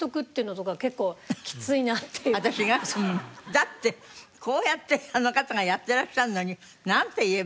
だってこうやってあの方がやってらっしゃるのになんて言えばいいの？